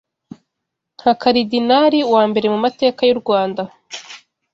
nka Karidinali wa mbere mu mateka y’u Rwanda